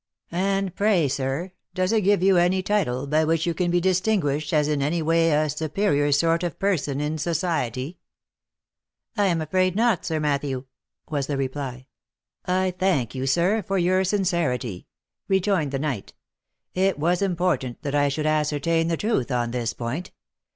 " And pray, sir, does it give you any title by which you can be distinguished as in any way a superior sort of person in society ?"" I am afraid not, Sir Matthew," was the reply. " I thank you, sir, for your sincerity," rejoined the knight. " It was important that I should ascertain the truth on this point.